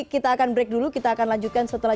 kita akan break dulu kita akan lanjutkan setelah